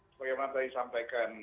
seperti yang tadi disampaikan